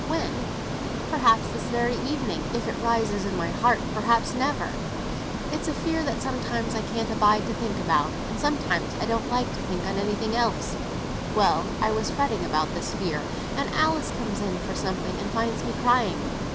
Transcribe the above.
"When?" "Perhaps this very evening, if it rises in my heart; perhaps never. It's a fear that sometimes I can't abide to think about, and sometimes I don't like to think on any thing else. Well, I was fretting about this fear, and Alice comes in for something, and finds me crying.